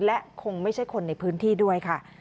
และคงไม่ใช่คนในพื้นที่ด้วยค่ะ